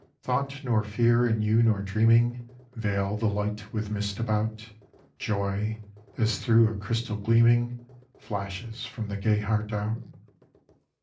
Thought nor fear in you nor dreaming Veil the light with mist about ; Joy, as through a crystal gleaming, Flashes from the gay heart out.